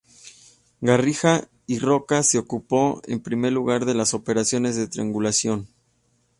Garriga i Roca se ocupó, en primer lugar, de las operaciones de triangulación.